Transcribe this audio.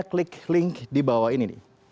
klik link di bawah ini